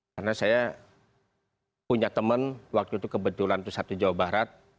karena saya punya teman waktu itu kebetulan itu satu jawa barat